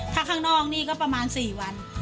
ถ้าข้างนอกนี่ก็ประมาณ๔วัน